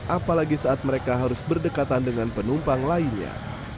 apalagi saat mereka harus berdekatan dengan penumpang lainnya